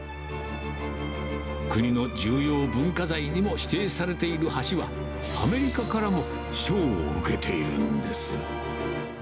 国の重要文化財にも指定されている橋は、アメリカからも賞を受けているんです。